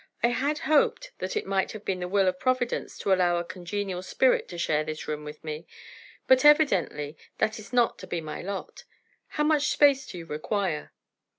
"I had hoped that it might have been the will of Providence to allow a congenial spirit to share this room with me; but, evidently, that is not to be my lot. How much space do you require?"